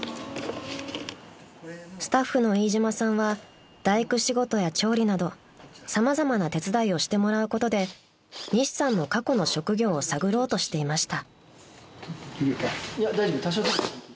［スタッフの飯島さんは大工仕事や調理など様々な手伝いをしてもらうことで西さんの過去の職業を探ろうとしていました］